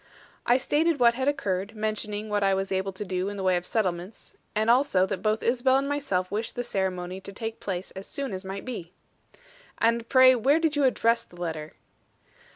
"I stated what had occurred, mentioning what I was able to do in the way of settlements, and also that both Isabel and myself wished the ceremony to take place as soon as might be." "And pray where did you address the letter?"